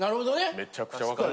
めちゃくちゃ分かる。